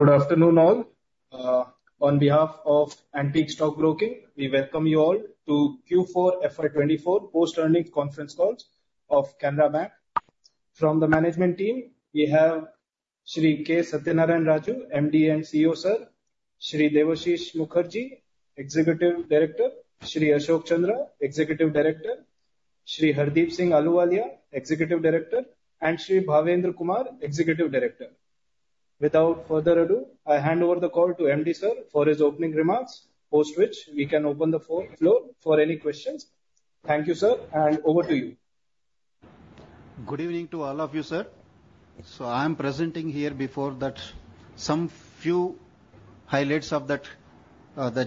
Good afternoon all. On behalf of Antique Stock Broking, we welcome you all to Q4 FY 2024 Post-Earnings Conference Calls of Canara Bank. From the management team, we have: Shri K. Satyanarayana Raju, MD and CEO, Sir; Shri Debashish Mukherjee, Executive Director; Shri Ashok Chandra, Executive Director; Shri Hardeep Singh Ahluwalia, Executive Director; and Shri Bhavendra Kumar, Executive Director. Without further ado, I hand over the call to MD, Sir, for his opening remarks, post which we can open the floor for any questions. Thank you, Sir, and over to you. Good evening to all of you, Sir. So I'm presenting here before that some few highlights of that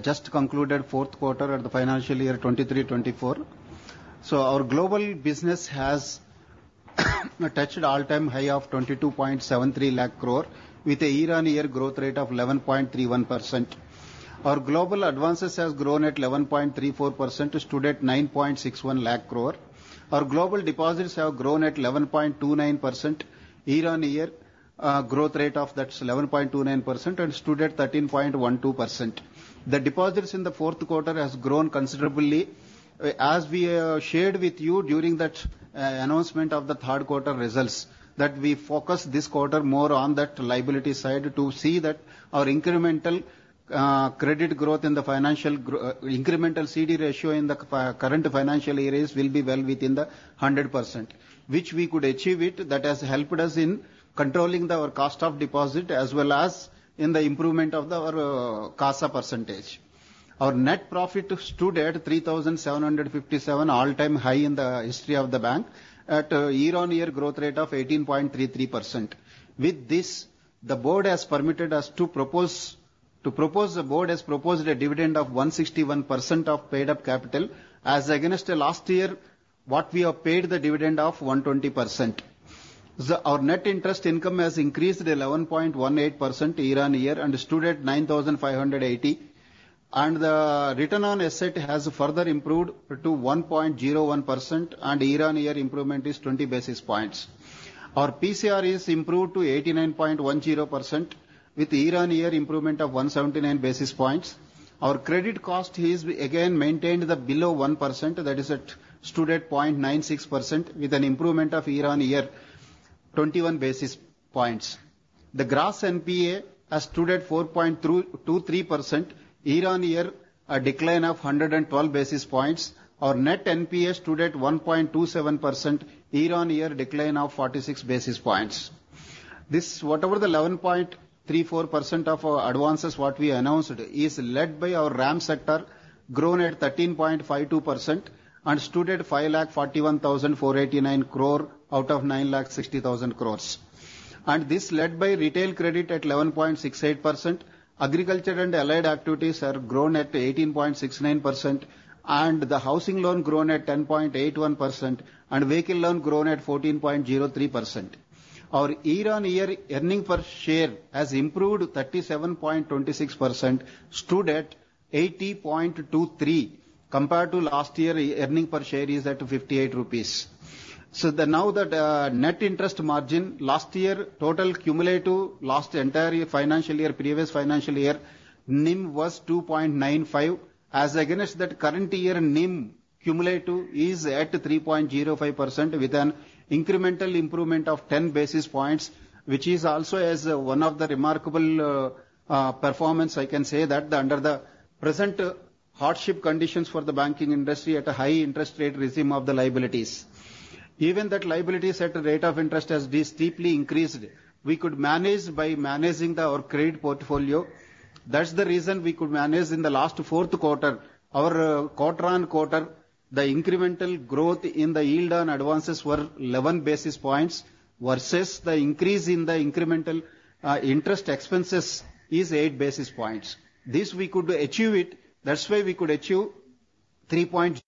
just concluded fourth quarter of the financial year 2023-24. So our global business has touched an all-time high of 2,273,000 crore, with a year-on-year growth rate of 11.31%. Our global advances have grown at 11.34% to today's 961,000 crore. Our global deposits have grown at 11.29% year-on-year, growth rate of that's 11.29% and to today's 13.12%. The deposits in the fourth quarter have grown considerably, as we shared with you during the announcement of the third quarter results, that we focused this quarter more on the liability side to see that our incremental credit growth in the financial year incremental CD ratio in the current financial year will be well within the 100%, which we could achieve that has helped us in controlling our cost of deposit as well as in the improvement of our CASA percentage. Our net profit today at 3,757 crore, all-time high in the history of the bank, at a year-on-year growth rate of 18.33%. With this, the board has proposed a dividend of 161% of paid-up capital as against last year, what we have paid the dividend of 120%. Our net interest income has increased 11.18% year-on-year and today's 9,580 crore. The return on asset has further improved to 1.01%, and year-on-year improvement is 20 basis points. Our PCR is improved to 89.10% with year-on-year improvement of 179 basis points. Our credit cost has again maintained below 1%, that is at today's 0.96% with an improvement of year-on-year 21 basis points. The gross NPA has today's 4.23%, year-on-year a decline of 112 basis points. Our net NPA today's 1.27%, year-on-year decline of 46 basis points. This whatever the 11.34% of our advances, what we announced, is led by our RAM sector, grown at 13.52% and today's 541,489 crore out of 960,000 crores. And this led by retail credit at 11.68%, agriculture and allied activities have grown at 18.69%, and the housing loan grown at 10.81%, and vehicle loan grown at 14.03%. Our year-on-year earning per share has improved 37.26% to today's 80.23% compared to last year, earning per share is at 58 rupees. So now that net interest margin last year total cumulative last entire financial year previous financial year NIM was 2.95% as against that current year NIM cumulative is at 3.05% with an incremental improvement of 10 basis points, which is also as one of the remarkable performance I can say that the under the present hardship conditions for the banking industry at a high interest rate regime of the liabilities. Even that liabilities at a rate of interest has this deeply increased, we could manage by managing our credit portfolio. That's the reason we could manage in the last fourth quarter, our quarter-on-quarter, the incremental growth in the yield on advances were 11 basis points versus the increase in the incremental interest expenses is 8 basis points. This we could achieve it, that's why we could achieve 3.0%,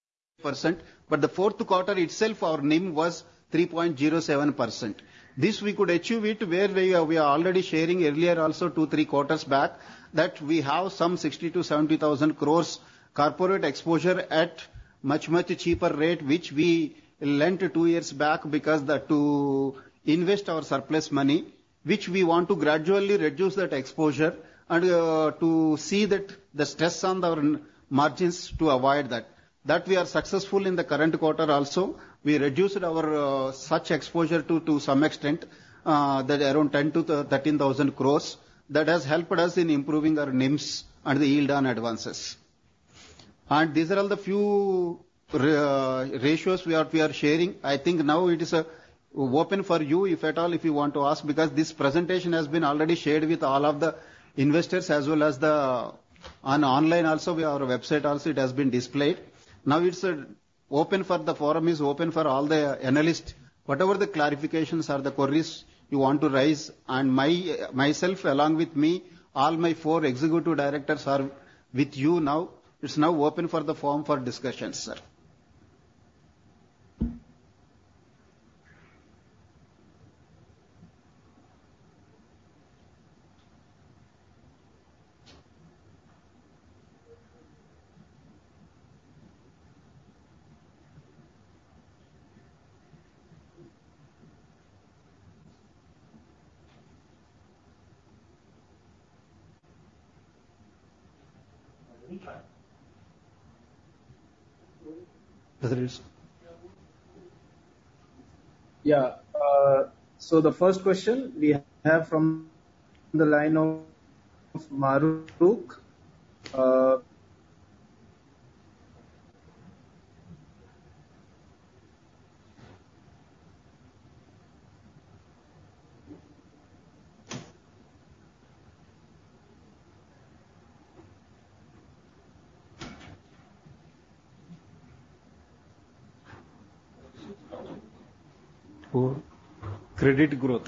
but the fourth quarter itself our NIM was 3.07%. This we could achieve it where we are already sharing earlier also two, three quarters back that we have some 60,000-70,000 crore corporate exposure at much, much cheaper rate, which we lent two years back because that to invest our surplus money, which we want to gradually reduce that exposure and, to see that the stress on our margins to avoid that. That we are successful in the current quarter also, we reduced our such exposure to some extent, that around 10,000 crore-13,000 crore that has helped us in improving our NIMs and the yield on advances. And these are all the few ratios we are sharing. I think now it is open for you, if you want to ask because this presentation has been already shared with all of the investors as well as online also our website also it has been displayed. Now it's open for the forum. It's open for all the analysts, whatever the clarifications are the queries you want to raise and myself along with me, all my four Executive Directors are with you now. It's now open for the forum for discussions, Sir. Proceed. Yeah, so the first question we have from the line of Mahrukh, For credit growth.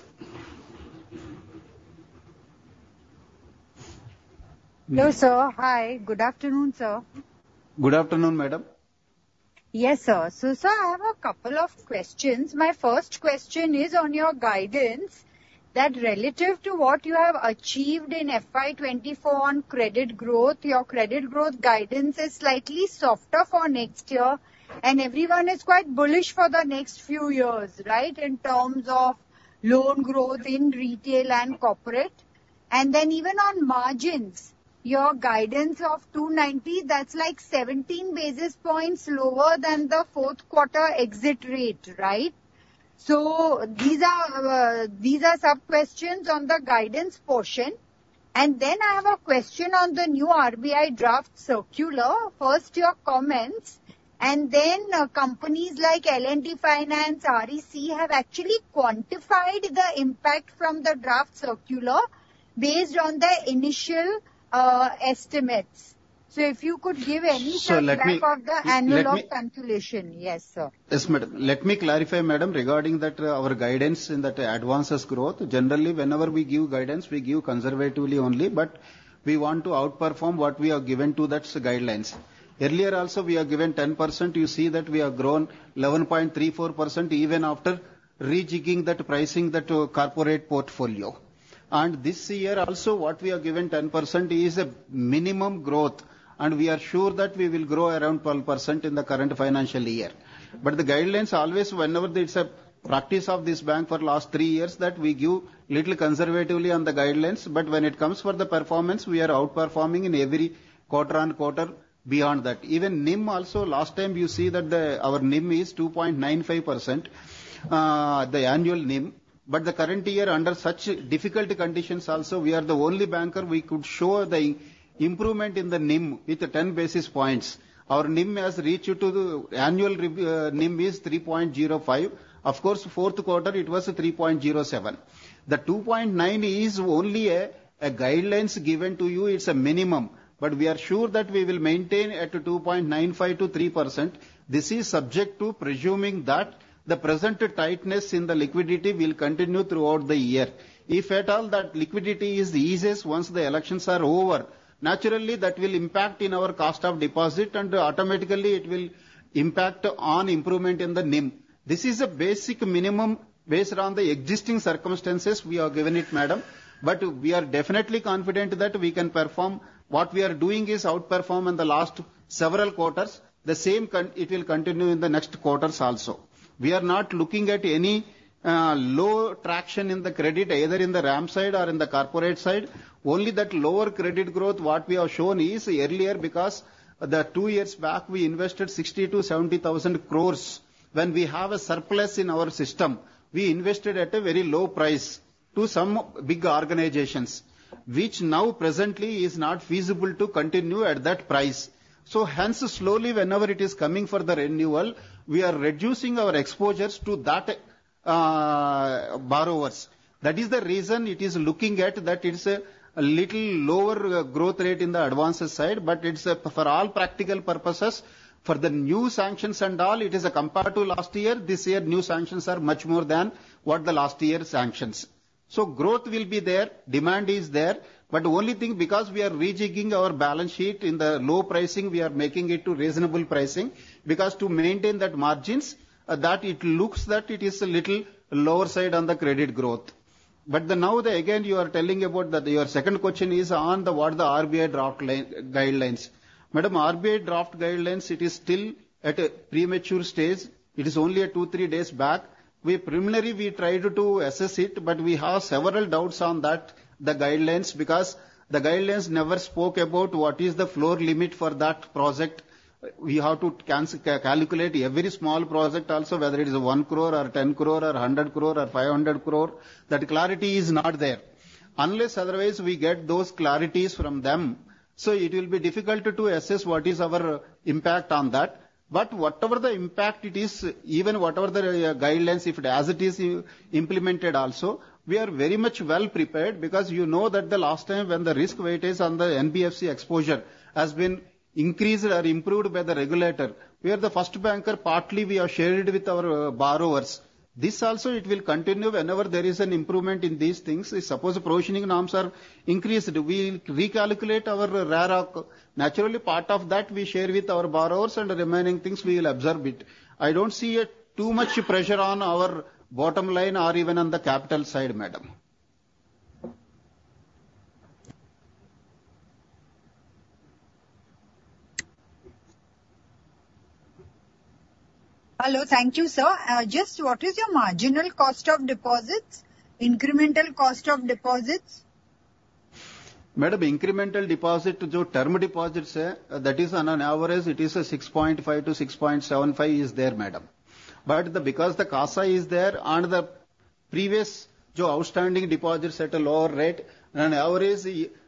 Hello Sir, hi. Good afternoon Sir. Good afternoon Madam. Yes Sir, so Sir I have a couple of questions. My first question is on your guidance that relative to what you have achieved in FY 2024 on credit growth, your credit growth guidance is slightly softer for next year and everyone is quite bullish for the next few years, right, in terms of loan growth in retail and corporate. And then even on margins, your guidance of 290, that's like 17 basis points lower than the fourth quarter exit rate, right? So these are, these are some questions on the guidance portion. And then I have a question on the new RBI draft circular, first your comments, and then companies like L&T Finance, REC have actually quantified the impact from the draft circular based on their initial, estimates. So if you could give any summary of the annual calculation, yes Sir. Yes Madam, let me clarify Madam regarding that our guidance in that advances growth, generally whenever we give guidance we give conservatively only, but we want to outperform what we are given to that guidelines. Earlier also we are given 10%, you see that we have grown 11.34% even after rejigging that pricing that corporate portfolio. And this year also what we are given 10% is a minimum growth and we are sure that we will grow around 12% in the current financial year. But the guidelines always whenever it's a practice of this bank for last three years that we give little conservatively on the guidelines, but when it comes for the performance we are outperforming in every quarter-on-quarter beyond that. Even NIM also last time you see that our NIM is 2.95%, the annual NIM, but the current year under such difficult conditions also we are the only banker we could show the improvement in the NIM with 10 basis points. Our NIM has reached to the annual review NIM is 3.05%, of course fourth quarter it was 3.07%. The 2.9 is only a, a guidelines given to you, it's a minimum, but we are sure that we will maintain at 2.95%-3%. This is subject to presuming that the present tightness in the liquidity will continue throughout the year. If at all that liquidity is the easiest once the elections are over, naturally that will impact in our cost of deposit and automatically it will impact on improvement in the NIM. This is a basic minimum based on the existing circumstances we are given, Madam, but we are definitely confident that we can perform what we are doing is outperform in the last several quarters, the same confidence it will continue in the next quarters also. We are not looking at any low traction in the credit either in the RAM side or in the corporate side, only that lower credit growth what we have shown is earlier because two years back we invested 60,000 crore-70,000 crore when we have a surplus in our system, we invested at a very low price to some big organizations, which now presently is not feasible to continue at that price. So hence slowly whenever it is coming for the renewal, we are reducing our exposures to that borrowers. That is the reason it is looking at that it's a little lower growth rate in the advances side, but it's, for all practical purposes, for the new sanctions and all, it is compared to last year; this year new sanctions are much more than what the last year sanctions. So growth will be there, demand is there, but only thing because we are rejigging our balance sheet in the low pricing, we are making it to reasonable pricing because to maintain that margins, that it looks that it is a little lower side on the credit growth. But now the again you are telling about that your second question is on what the RBI draft guidelines. Madam, RBI draft guidelines it is still at a premature stage, it is only two to three days back. We preliminarily we tried to assess it, but we have several doubts on that the guidelines because the guidelines never spoke about what is the floor limit for that project. We have to can calculate every small project also whether it is 1 crore or 10 crore or 100 crore or 500 crore, that clarity is not there. Unless otherwise we get those clarities from them, so it will be difficult to assess what is our impact on that. But whatever the impact it is, even whatever the guidelines if as it is implemented also, we are very much well prepared because you know that the last time when the risk weight is on the NBFC exposure has been increased or improved by the regulator, we are the first banker partly we have shared with our borrowers. This also, it will continue whenever there is an improvement in these things. Suppose provisioning norms are increased, we will recalculate our RAROC. Naturally, part of that we share with our borrowers and remaining things we will absorb it. I don't see too much pressure on our bottom line or even on the capital side, Madam. Hello, thank you Sir. Just what is your marginal cost of deposits, incremental cost of deposits? Madam, incremental deposit to the term deposits, that is, on an average it is 6.5%-6.75% is there, Madam. But the, because the CASA is there and the previous the outstanding deposits at a lower rate and on average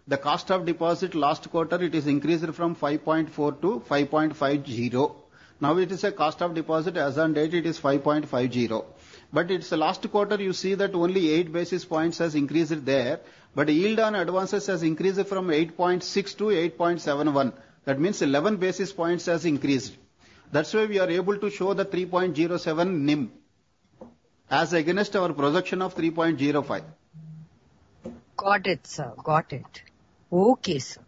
the cost of deposit last quarter it is increased from 5.4%-5.50%. Now it is a cost of deposit as on date it is 5.50%. But it's last quarter you see that only eight basis points has increased there, but yield on advances has increased from 8.6%-8.71%. That means eleven basis points has increased. That's why we are able to show the 3.07 NIM as against our projection of 3.05. Got it Sir, got it. Okay Sir,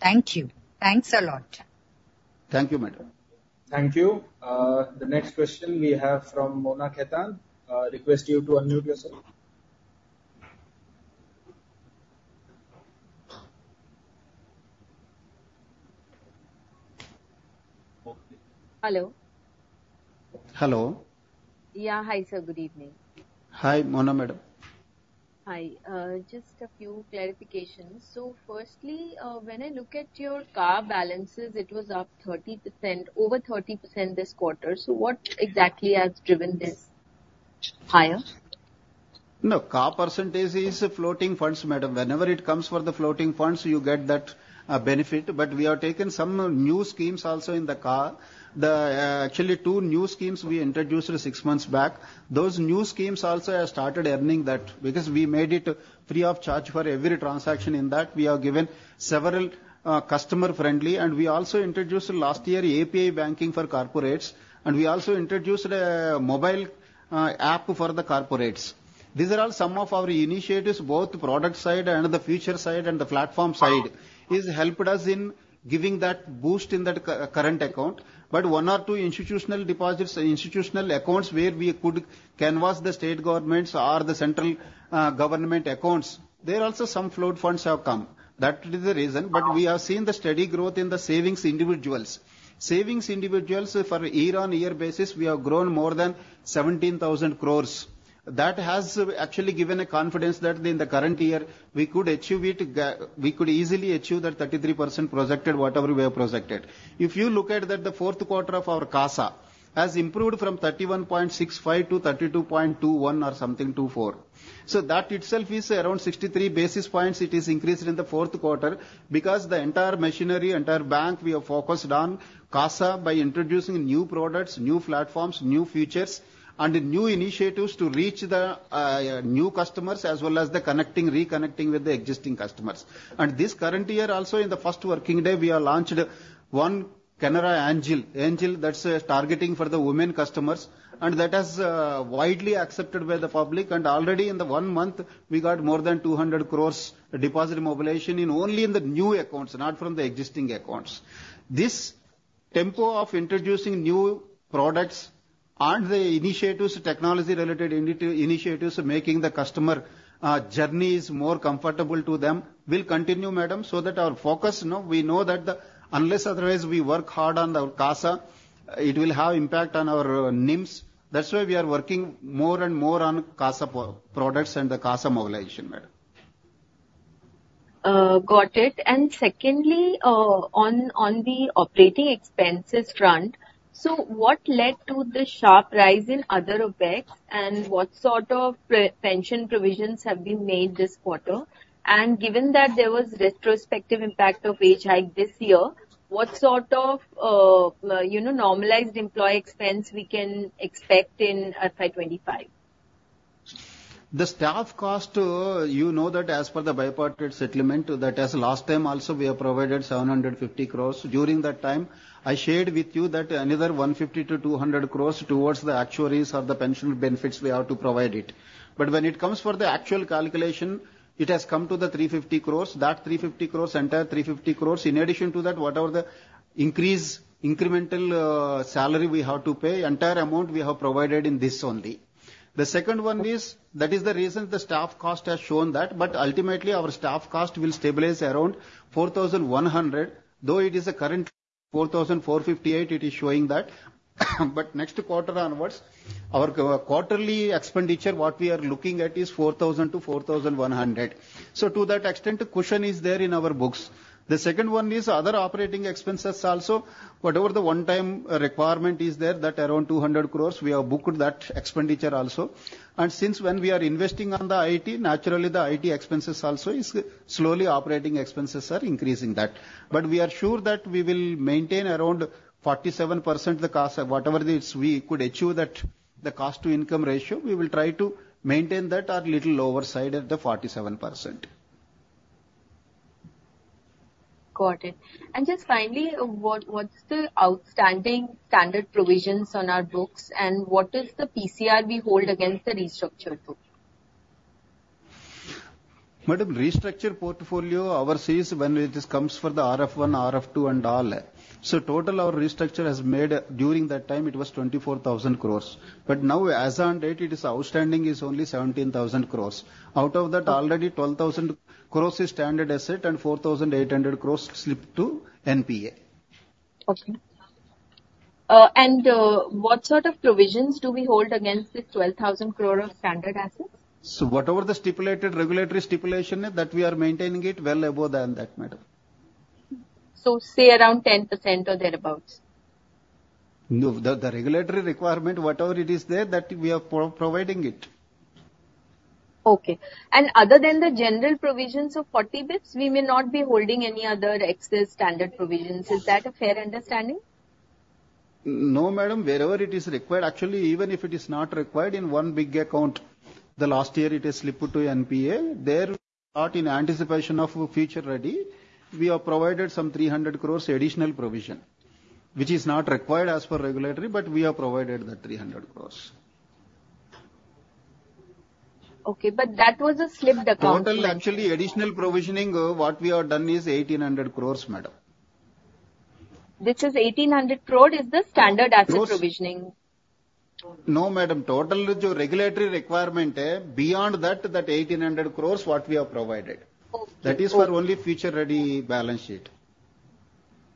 thank you. Thanks a lot. Thank you Madam. Thank you. The next question we have from Mona Khetan. Request you to unmute yourself. Hello. Hello. Yeah, hi Sir, good evening. Hi, Mona Madam. Hi, just a few clarifications. Firstly, when I look at your CA balances, it was up 30% over 30% this quarter. What exactly has driven this higher? No, CA percentage is floating funds, Madam. Whenever it comes for the floating funds, you get that benefit, but we have taken some new schemes also in the CA. Actually, two new schemes we introduced six months back. Those new schemes also have started earning that because we made it free of charge for every transaction. In that, we have given several customer friendly and we also introduced last year API banking for corporates and we also introduced a mobile app for the corporates. These are all some of our initiatives both product side and the future side and the platform side is helped us in giving that boost in that current account. But one or two institutional deposits, institutional accounts where we could canvass the state governments or the central government accounts, there also some float funds have come. That is the reason, but we have seen the steady growth in the savings individuals. Savings individuals for year-on-year basis we have grown more than 17,000 crore. That has actually given a confidence that in the current year we could achieve it, we could easily achieve that 33% projected whatever we have projected. If you look at that, the fourth quarter of our CASA has improved from 31.65% to 32.21% or something to 4%. So that itself is around 63 basis points it is increased in the fourth quarter because the entire machinery, entire bank we have focused on CASA by introducing new products, new platforms, new features and new initiatives to reach the new customers as well as the connecting, reconnecting with the existing customers. This current year also in the first working day we have launched one Canara Angel, Angel that's targeting for the women customers and that has, widely accepted by the public and already in one month we got more than 200 crore deposit mobilization in only in the new accounts, not from the existing accounts. This tempo of introducing new products and the initiatives, technology related initiatives making the customer, journey is more comfortable to them will continue Madam so that our focus, you know, we know that the unless otherwise we work hard on the CASA, it will have impact on our NIMs. That's why we are working more and more on CASA products and the CASA mobilization Madam. Got it. Secondly, on the operating expenses front, what led to the sharp rise in other OpEx and what sort of pre pension provisions have been made this quarter? And given that there was retrospective impact of wage hike this year, what sort of, you know, normalized employee expense we can expect in FY 2025? The staff cost, you know that as per the Bipartite Settlement that has last time also we have provided 750 crore. During that time I shared with you that another 150 crore-200 crore towards the actuaries or the pension benefits we have to provide it. But when it comes for the actual calculation it has come to the 350 crore, that 350 crore, entire 350 crore in addition to that whatever the increase, incremental, salary we have to pay, entire amount we have provided in this only. The second one is that is the reason the staff cost has shown that, but ultimately our staff cost will stabilize around 4,100 crore though it is currently 4,458 crore it is showing that. But next quarter onwards our quarterly expenditure what we are looking at is 4,000 crore-4,100 crore. So to that extent cushion is there in our books. The second one is other operating expenses also, whatever the one-time requirement is there that around 200 crore we have booked that expenditure also. And since when we are investing on the IT, naturally the IT expenses also is slowly operating expenses are increasing that. But we are sure that we will maintain around 47% the CASA, whatever it is we could achieve that the cost to income ratio, we will try to maintain that or little lower side at the 47%. Got it. Just finally, what's the outstanding standard provisions on our books and what is the PCR we hold against the restructure to? Madam, restructured portfolio overseas when it comes for the RF1, RF2 and all, so total our restructure has made during that time it was 24,000 crore. But now as on date it is outstanding is only 17,000 crore. Out of that already 12,000 crore is standard asset and 4,800 crore slipped to NPA. Okay. And what sort of provisions do we hold against this 12,000 crore of standard assets? Whatever the stipulated regulatory stipulation is that we are maintaining it well above than that, Madam. Say around 10% or thereabouts? No, the regulatory requirement whatever it is there that we are providing it. Okay. Other than the general provisions of 40 basis points we may not be holding any other excess standard provisions. Is that a fair understanding? No, Madam, wherever it is required, actually, even if it is not required, in one big account the last year it is slipped to NPA, there, not in anticipation of future ready, we have provided some 300 crore additional provision, which is not required as per regulatory, but we have provided that 300 crore. Okay, but that was a slipped account. Total actually additional provisioning what we have done is 1,800 crore, Madam. Which is 1,800 crore is the standard asset provisioning? No, Madam, total the regulatory requirement beyond that 1,800 crores what we have provided. Okay. That is for only future-ready balance sheet.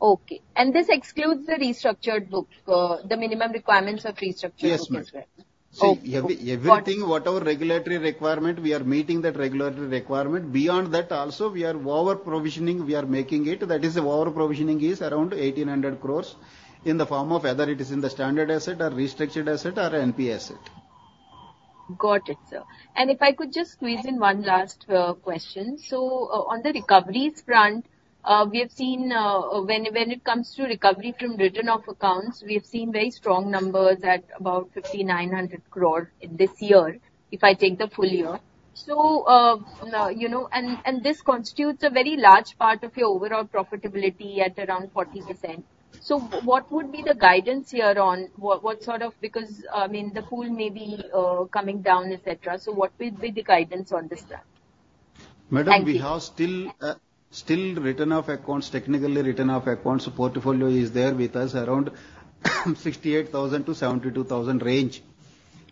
Okay. And this excludes the restructured book, the minimum requirements of restructured book as well? Yes, Madam. So everything, whatever regulatory requirement we are meeting, that regulatory requirement, beyond that also we are over provisioning we are making it, that is the over provisioning is around 1,800 crore in the form of either it is in the standard asset or restructured asset or NP asset. Got it, Sir. And if I could just squeeze in one last question. So, on the recoveries front, we have seen, when it comes to recovery from written-off accounts we have seen very strong numbers at about 5,900 crore this year if I take the full year. So, you know, and this constitutes a very large part of your overall profitability at around 40%. So what would be the guidance here on what sort of because, I mean the pool may be coming down etc. So what will be the guidance on this front? Madam, we have still, still written-off accounts, technically written-off accounts, portfolio is there with us around 68,000-72,000 range.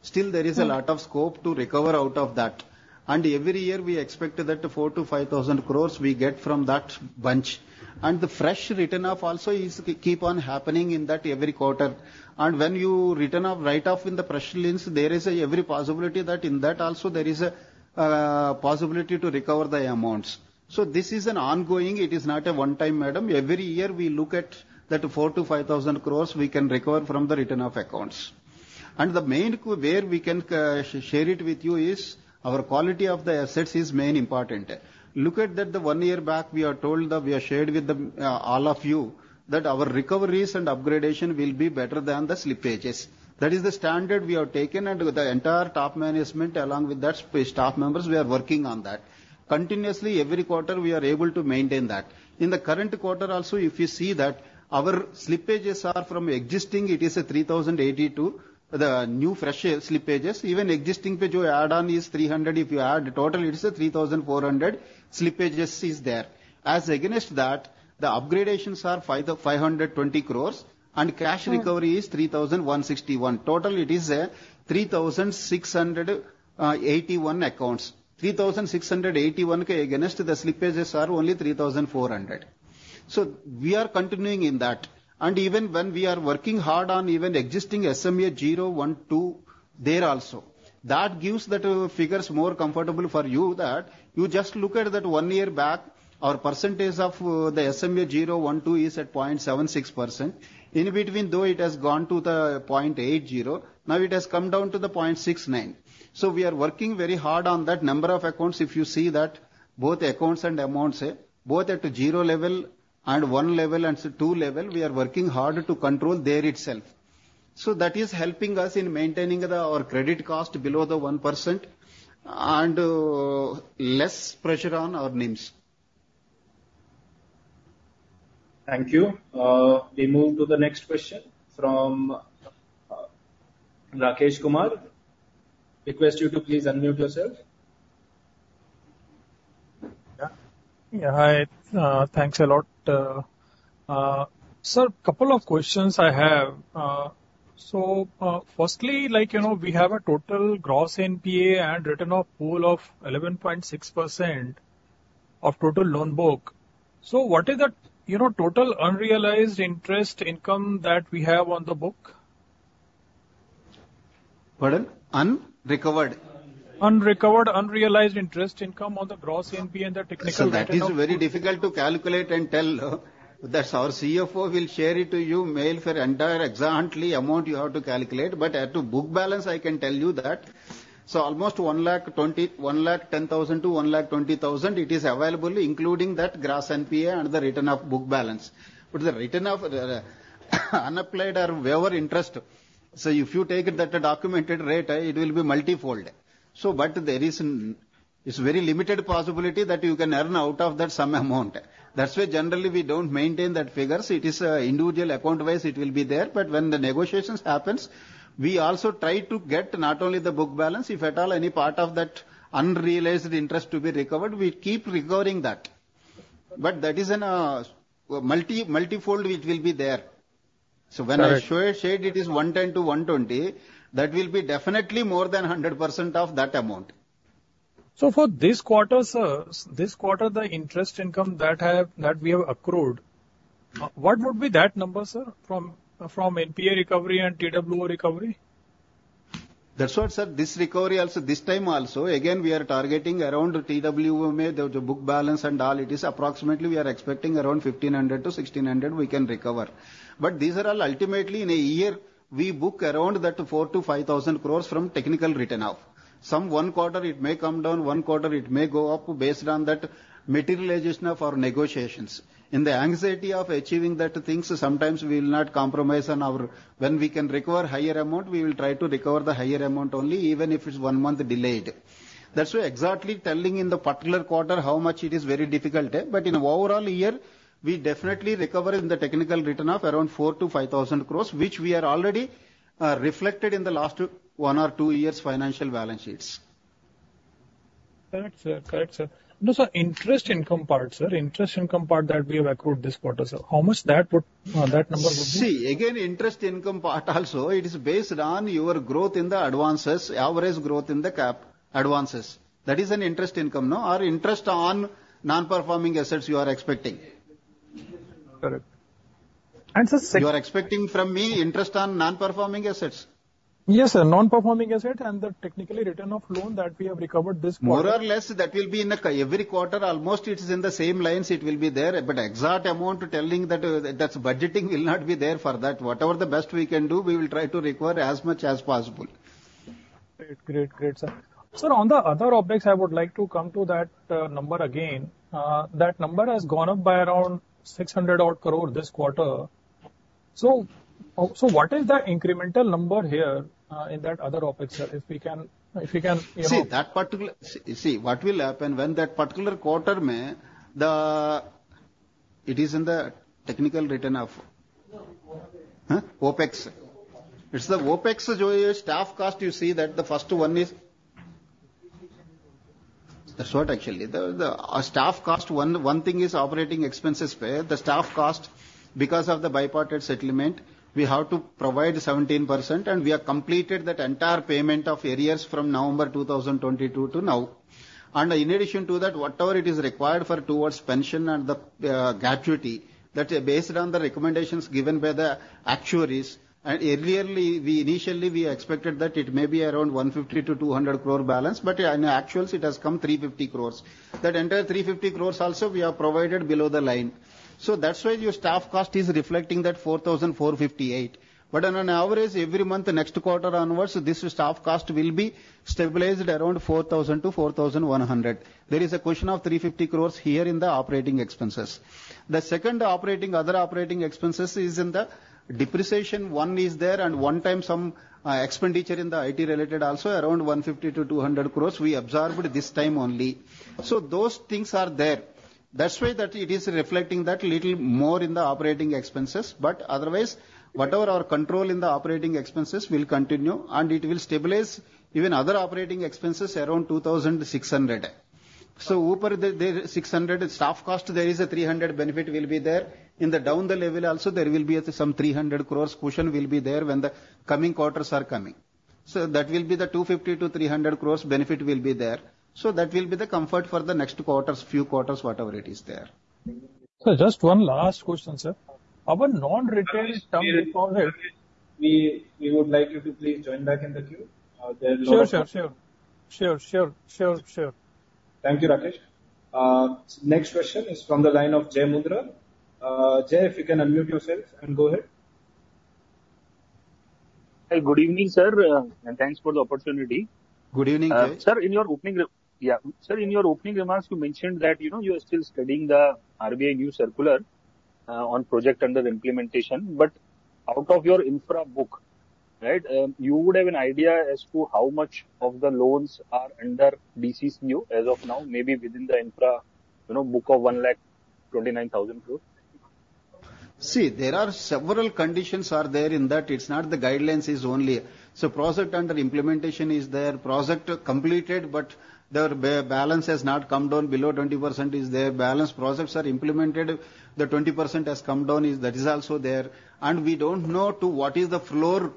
Still there is a lot of scope to recover out of that. And every year we expect that 4,000 crores-5,000 crores we get from that bunch. And the fresh written off also is keep on happening in that every quarter. And when you return off write off in the press release there is a every possibility that in that also there is a, possibility to recover the amounts. So this is an ongoing, it is not a one-time Madam. Every year we look at that INR 4,000 crores-5,000 crores we can recover from the written-off accounts. And the main where we can share it with you is our quality of the assets is main important. Look at that the one year back we are told that we have shared with the all of you that our recoveries and upgradation will be better than the slippages. That is the standard we have taken and the entire top management along with that staff members we are working on that. Continuously every quarter we are able to maintain that. In the current quarter also if you see that our slippages are from existing it is a 3,082 crore the new fresh slippages, even existing which you add on is 300 crore if you add total it is a 3,400 crore slippages is there. As against that the upgradations are 520 crore and cash recovery is 3,161 crore. Total it is a 3,681 accounts. 3,681 against the slippages are only 3,400 crore. So we are continuing in that. And even when we are working hard on even existing SMA 0/1/2 there also. That gives that figures more comfortable for you that you just look at that one year back our percentage of the SMA 0/1/2 is at 0.76%. In between though it has gone to the 0.80% now it has come down to the 0.69%. So we are working very hard on that number of accounts if you see that both accounts and amounts both at zero level and one level and two level we are working hard to control there itself. So that is helping us in maintaining our credit cost below the 1% and less pressure on our NIMs. Thank you. We move to the next question from Rakesh Kumar. Request you to please unmute yourself. Yeah, yeah, hi, thanks a lot. Sir, couple of questions I have. So, firstly, like, you know, we have a total gross NPA and written off pool of 11.6% of total loan book. So what is that, you know, total unrealized interest income that we have on the book? Madam, unrecovered. Unrecovered unrealized interest income on the gross NPA and the technical written-off? So that is very difficult to calculate and tell. That's our CFO will share it to you mail for entire exactly amount you have to calculate, but to book balance I can tell you that. So almost 110,000-120,000 it is available including that gross NPA and the written off book balance. But the written off, unapplied or whatever interest, so if you take that documented rate it will be multifold. So, but there is, it's very limited possibility that you can earn out of that some amount. That's why generally we don't maintain that figures. It is individual account wise it will be there, but when the negotiations happens we also try to get not only the book balance if at all any part of that unrealized interest to be recovered, we keep recovering that. But that is multifold, which will be there. When I shared it is 110-120, that will be definitely more than 100% of that amount. So for this quarter, Sir, the interest income that we have accrued, what would be that number, Sir, from NPA recovery and TWO recovery? That's what, Sir, this recovery also this time also again we are targeting around 2,000 of the book balance and all it is approximately we are expecting around 1,500-1,600 crore we can recover. But these are all ultimately in a year we book around that INR 4,000 crores-5,000 crores from technical write-offs. Some one quarter it may come down, one quarter it may go up based on that materialization of our negotiations. In the anxiety of achieving that things sometimes we will not compromise on our when we can recover higher amount we will try to recover the higher amount only even if it's one month delayed. That's why exactly telling in the particular quarter how much it is very difficult, but in overall year we definitely recover in the technically written off around INR 4,000 crores-5,000 crores which we are already reflected in the last one or two years financial balance sheets. Correct, Sir, correct, Sir. No, Sir, interest income part, Sir, interest income part that we have accrued this quarter, Sir, how much that would, that number would be? See, again, interest income part also. It is based on your growth in the advances, average growth in the cap advances. That is an interest income, you know, or interest on non-performing assets you are expecting. Correct. Sir, sec. You are expecting from me interest on non-performing assets? Yes, sir, non-performing assets and the technical write-off of loans that we have recovered this quarter. More or less, that will be in every quarter. Almost, it is in the same lines. It will be there, but exact amount telling that, that's budgeting will not be there for that. Whatever the best we can do, we will try to recover as much as possible. Great, great, great, Sir. Sir, on the other OpEx I would like to come to that number again. That number has gone up by around 600-odd crore this quarter. So, so what is that incremental number here, in that other OpEx, Sir, if we can, if we can, you know? See, that particular, see, what will happen when that particular quarter, maybe it is in the technical write-off, huh, OPEX. It's the OPEX which is your staff cost, you see, that the first one is, that's what actually the, the staff cost. One, one thing is operating expenses pay. The staff cost because of the bipartite settlement we have to provide 17% and we have completed that entire payment of arrears from November 2022 to now. And in addition to that whatever it is required for towards pension and the gratuity that is based on the recommendations given by the actuaries and earlier we initially we expected that it may be around 150 crore-200 crore balance, but in actuals it has come 350 crores. That entire 350 crores also we have provided below the line. So that's why your staff cost is reflecting that 4,458 crore. But on an average every month next quarter onwards this staff cost will be stabilized around 4,000-4,100. There is a cushion of 350 crore here in the operating expenses. The second operating other operating expenses is in the depreciation one is there and one-time some expenditure in the IT-related also around 150 crore-200 crore we absorbed this time only. So those things are there. That's why that it is reflecting that little more in the operating expenses, but otherwise whatever our control in the operating expenses will continue and it will stabilize even other operating expenses around 2,600. So upper there 600 staff cost there is a 300 benefit will be there. In the down the level also there will be some 300 crore cushion will be there when the coming quarters are coming. So that will be the 250 crore-300 crore benefit will be there. So that will be the comfort for the next quarters, few quarters whatever it is there. Sir, just one last question, Sir. Our non-retail term deposit. We would like you to please join back in the queue. There are a lot of. Sure, sure, sure. Sure, sure, sure, sure. Thank you, Rakesh. Next question is from the line of Jai Mundhra. Jai, if you can unmute yourself and go ahead. Hi, good evening, Sir. Thanks for the opportunity. Good evening, Jai. Sir, in your opening remarks you mentioned that, you know, you are still studying the RBI new circular on project under implementation, but out of your infra book, right, you would have an idea as to how much of the loans are under DCCO as of now maybe within the infra, you know, book of 129,000 crore? See, there are several conditions are there in that. It's not the guidelines only. So project under implementation is there, project completed, but their balance has not come down below 20% is there. Balance projects are implemented, the 20% has come down; that is also there. And we don't know what is the floor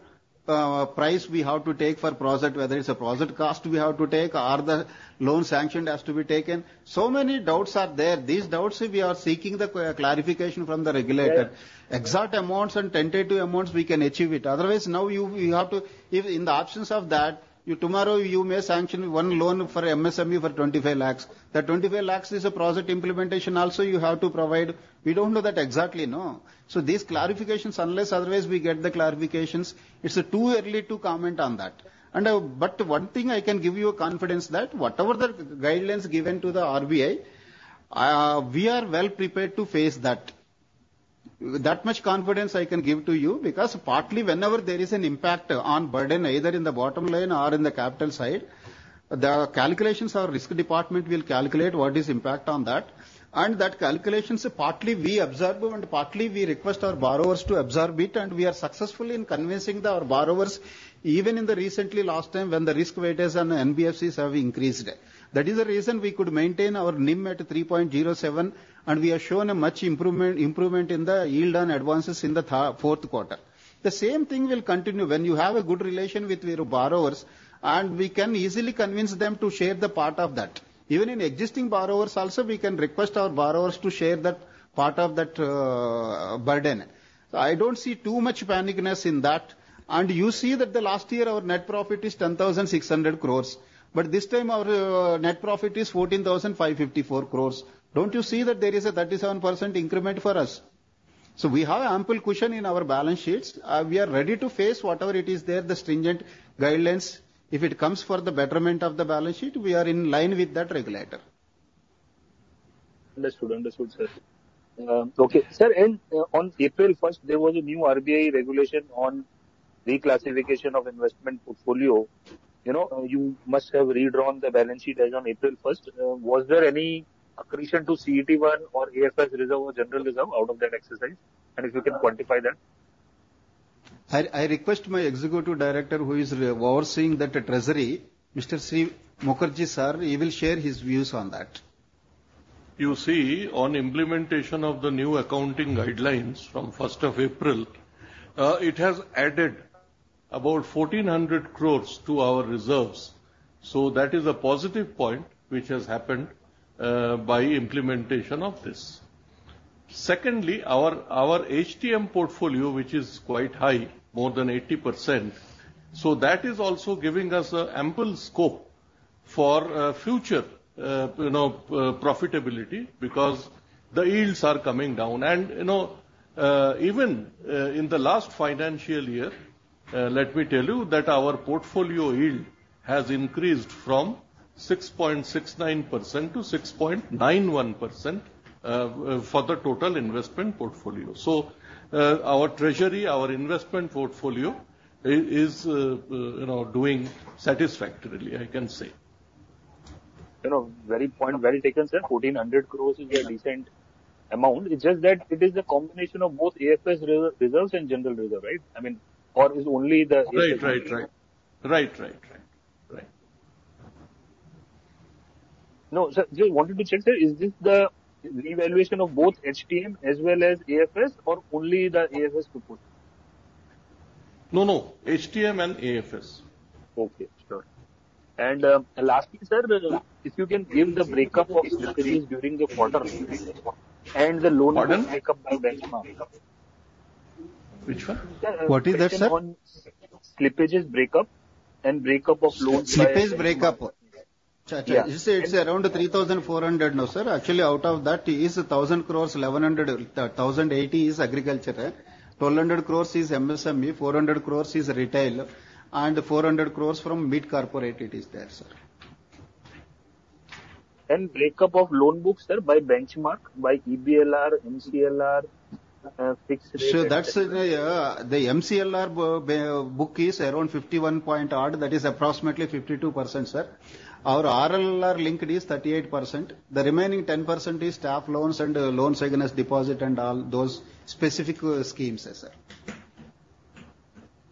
price we have to take for project, whether it's a project cost we have to take or the loan sanctioned has to be taken. So many doubts are there. These doubts we are seeking the clarification from the regulator. Exact amounts and tentative amounts we can achieve it. Otherwise now you, you have to if in the options of that you tomorrow you may sanction one loan for MSME for 25 lakhs. That 25 lakhs is a project implementation also you have to provide. We don't know that exactly, no. So these clarifications, unless otherwise we get the clarifications, it's too early to comment on that. But one thing I can give you confidence that whatever the guidelines given to the RBI, we are well prepared to face that. That much confidence I can give to you because partly whenever there is an impact on burden either in the bottom line or in the capital side the calculations our risk department will calculate what is impact on that. And that calculations partly we absorb and partly we request our borrowers to absorb it and we are successful in convincing our borrowers even in the recently last time when the risk weightage and NBFCs have increased. That is the reason we could maintain our NIM at 3.07 and we have shown a much improvement in the yield on advances in the fourth quarter. The same thing will continue when you have a good relation with your borrowers and we can easily convince them to share the part of that. Even in existing borrowers also we can request our borrowers to share that part of that, burden. So I don't see too much panicness in that. And you see that the last year our net profit is 10,600 crore, but this time our net profit is 14,554 crore. Don't you see that there is a 37% increment for us? So we have an ample cushion in our balance sheets. We are ready to face whatever it is there the stringent guidelines if it comes for the betterment of the balance sheet we are in line with that regulator. Understood, understood, Sir. Okay, Sir, and on April 1st there was a new RBI regulation on reclassification of investment portfolio. You know, you must have redrawn the balance sheet as on April 1st. Was there any accretion to CET1 or AFS Reserve or General Reserve out of that exercise and if you can quantify that? I request my Executive Director who is overseeing that treasury, Mr. Debashish Mukherjee, Sir, he will share his views on that. You see, on implementation of the new accounting guidelines from 1st of April, it has added about 1,400 crore to our reserves. So that is a positive point which has happened by implementation of this. Secondly, our HTM portfolio which is quite high, more than 80%, so that is also giving us an ample scope for a future, you know, profitability because the yields are coming down. You know, even in the last financial year, let me tell you that our portfolio yield has increased from 6.69% to 6.91% for the total investment portfolio. So, our treasury, our investment portfolio is, you know, doing satisfactorily I can say. You know, very point very taken, Sir, 1,400 crore is a decent amount. It's just that it is the combination of both AFS Reserve and General Reserve, right? I mean, or is only the AFS? Right, right, right. Right, right, right. No, Sir, just wanted to check, Sir, is this the revaluation of both HTM as well as AFS or only the AFS proposal? No, no, HTM and AFS. Okay, sure. Lastly, Sir, if you can give the breakup of slippages during the quarter and the loan breakup by benchmark? Which one? What is that, Sir? Slippages breakup and breakup of loans by. Slippage breakup. Yeah. It's around 3,400 crore now, Sir. Actually, out of that is 1,000 crore 1,100, 1,080 is agriculture, 1,200 crore is MSME, 400 crore is retail, and 400 crore from mid-corporate it is there, Sir. Breakup of loan books, Sir, by benchmark, by EBLR, MCLR, fixed rate? Sir, that's the MCLR book is around 51 point odd. That is approximately 52%, Sir. Our RLLR linked is 38%. The remaining 10% is staff loans and loans against deposit and all those specific schemes, Sir.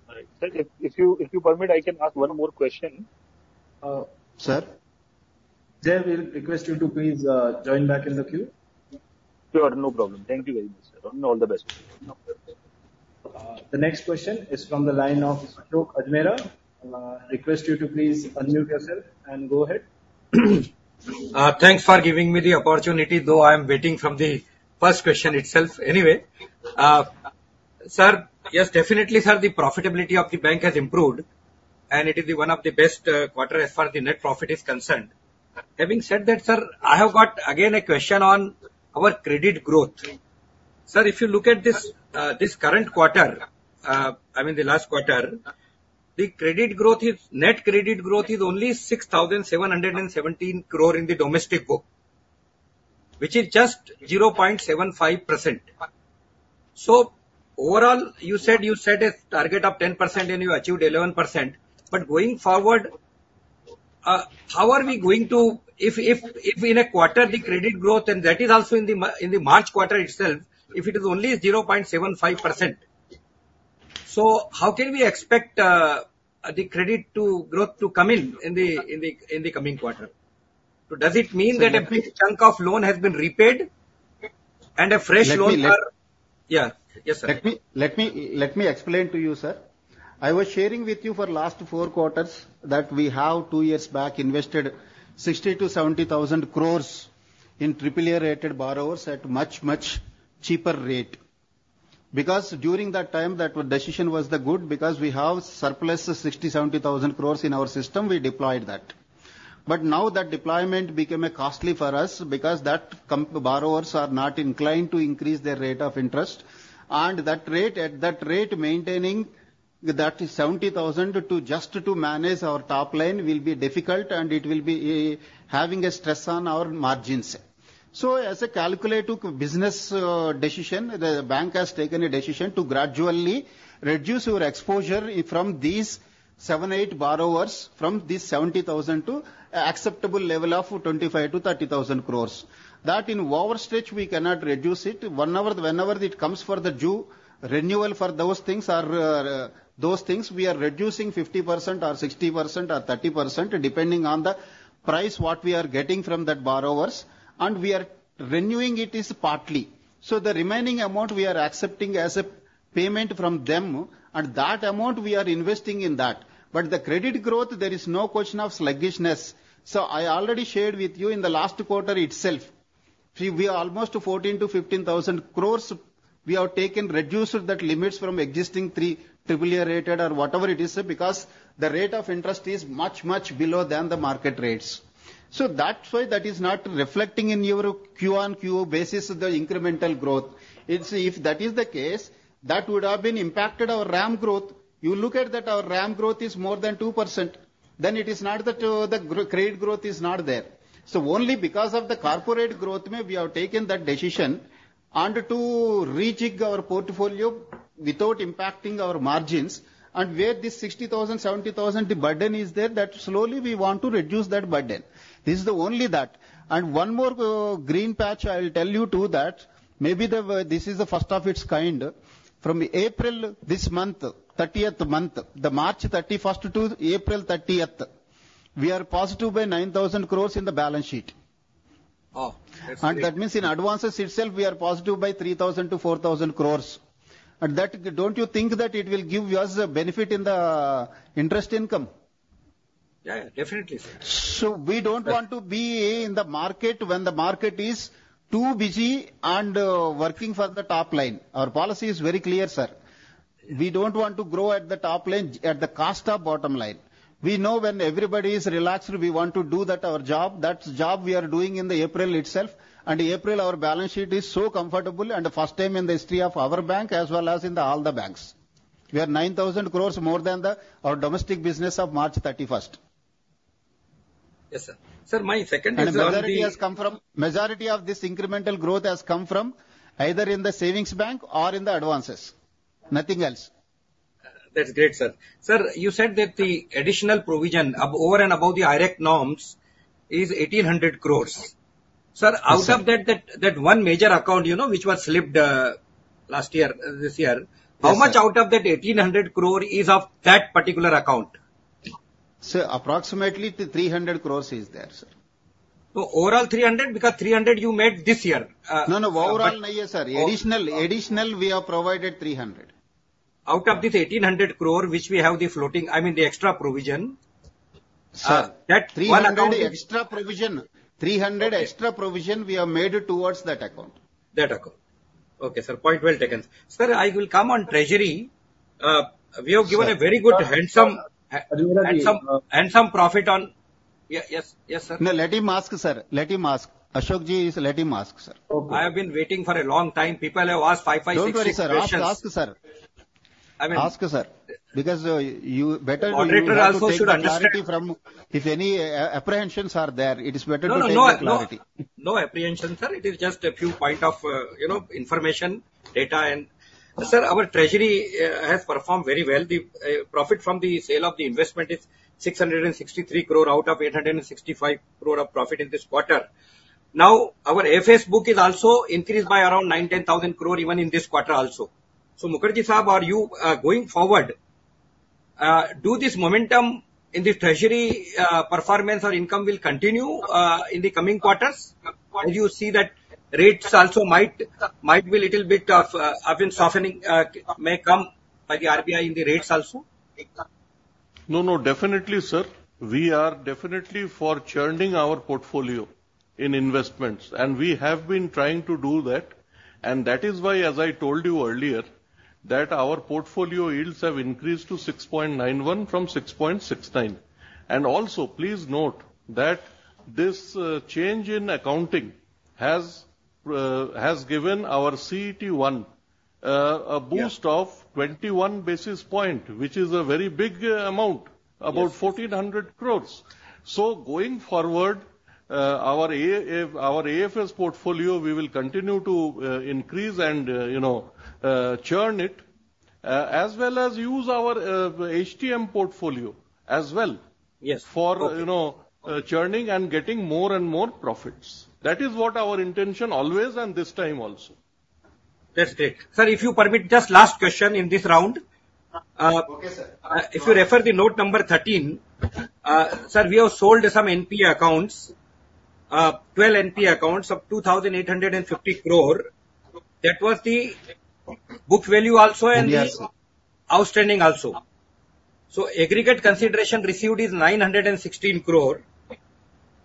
All right, Sir. If you permit, I can ask one more question. Sir. Jai, I will request you to please join back in the queue. Sure, no problem. Thank you very much, Sir. All the best. The next question is from the line of Ashok Ajmera. Request you to please unmute yourself and go ahead. Thanks for giving me the opportunity though I am waiting from the first question itself. Anyway, Sir, yes, definitely, Sir, the profitability of the bank has improved and it is one of the best quarters as far as the net profit is concerned. Having said that, Sir, I have got again a question on our credit growth. Sir, if you look at this, this current quarter, I mean the last quarter, the credit growth is net credit growth is only 6,717 crore in the domestic book which is just 0.75%. So overall you said you set a target of 10% and you achieved 11%, but going forward, how are we going to if, if, if in a quarter the credit growth and that is also in the in the March quarter itself if it is only 0.75%? So how can we expect the credit growth to come in in the coming quarter? Does it mean that a big chunk of loan has been repaid and a fresh loan are yeah, yes, Sir. Let me explain to you, Sir. I was sharing with you for last four quarters that we have two years back invested 60,000-70,000 crores in triple-A rated borrowers at much, much cheaper rate. Because during that time that decision was the good because we have surplus 60,000-70,000 crores in our system, we deployed that. But now that deployment became costly for us because that borrowers are not inclined to increase their rate of interest and that rate at that rate maintaining that 70,000 to just to manage our top line will be difficult and it will be having a stress on our margins. So as a calculative business decision, the bank has taken a decision to gradually reduce your exposure from these seven, eight borrowers from this 70,000 to acceptable level of 25,000 crores-30,000 crores. That in overstretch we cannot reduce it. However, whenever it comes for the due renewal, for those things, those things we are reducing 50% or 60% or 30% depending on the price what we are getting from those borrowers and we are renewing it partly. So the remaining amount we are accepting as a payment from them and that amount we are investing in that. But the credit growth, there is no question of sluggishness. So I already shared with you in the last quarter itself we almost 14,000 crores-15,000 crores we have taken reduced those limits from existing triple A rated or whatever it is because the rate of interest is much, much below than the market rates. So that's why that is not reflecting in your Q on Q basis the incremental growth. If that is the case, that would have impacted our RAM growth. You look at that, our RAM growth is more than 2%, then it is not that the credit growth is not there. Only because of the corporate growth, maybe we have taken that decision to re-jig our portfolio without impacting our margins, and where this 60,000 crore, 70,000 crore burden is there, that slowly we want to reduce that burden. This is the only that. One more green patch I will tell you too, that maybe this is the first of its kind. From April this month, 30th month, the March 31st to April 30th, we are positive by 9,000 crore in the balance sheet. Oh, that's good. That means in advances itself we are positive by 3,000 crores-4,000 crores. That don't you think that it will give us benefit in the interest income? Yeah, yeah, definitely, Sir. So we don't want to be in the market when the market is too busy and working for the top line. Our policy is very clear, Sir. We don't want to grow at the top line at the cost of bottom line. We know when everybody is relaxed we want to do that our job. That job we are doing in the April itself and April our balance sheet is so comfortable and first time in the history of our bank as well as in all the banks. We are 9,000 crore more than the our domestic business of March 31st. Yes, Sir. Sir, my second answer would be. Majority of this incremental growth has come from either in the savings bank or in the advances. Nothing else. That's great, Sir. Sir, you said that the additional provision above and above the IRAC norms is 1,800 crores. Sir, out of that that one major account, you know, which was slipped, last year, this year, how much out of that 1,800 crore is of that particular account? Sir, approximately 300 crores is there, Sir. Overall 300 because 300 you made this year. No, no, overall no, sir. Additionally, additionally, we have provided 300. Out of this 1,800 crore which we have the floating, I mean the extra provision, that 100. 300 extra provision, 300 extra provision we have made towards that account. That account. Okay, Sir, point well taken. Sir, I will come on treasury. We have given a very good handsome profit on yeah, yes, yes, Sir. No, let him ask, Sir. Let him ask. Ashok Ji, let him ask, Sir. Okay. I have been waiting for a long time. People have asked 5, 5, 6 questions. Don't worry, Sir. Ask, ask, Sir. I mean. Ask, sir. Because you better to. Auditor also should understand. From if any apprehensions are there, it is better to take clarity. No, no, no, apprehension, Sir. It is just a few point of, you know, information, data and Sir, our treasury has performed very well. The profit from the sale of the investment is 663 crore out of 865 crore of profit in this quarter. Now our AFS book is also increased by around 9,000 crore-10,000 crore even in this quarter also. So Mukherjee Sahib, are you going forward, do this momentum in the treasury, performance or income will continue, in the coming quarters as you see that rates also might, might be a little bit of even softening, may come by the RBI in the rates also? No, no, definitely, Sir. We are definitely for churning our portfolio in investments and we have been trying to do that and that is why as I told you earlier that our portfolio yields have increased to 6.91% from 6.69%. And also please note that this change in accounting has given our CET1 a boost of 21 basis point which is a very big amount, about 1,400 crore. So going forward, our AFS portfolio we will continue to increase and, you know, churn it, as well as use our HTM portfolio as well. Yes. For, you know, churning and getting more and more profits. That is what our intention always and this time also. That's great. Sir, if you permit, just last question in this round. Okay, Sir. If you refer to note number 13, Sir, we have sold some NP accounts, 12 NP accounts of 2,850 crore. That was the book value also and the outstanding also. So aggregate consideration received is 916 crore.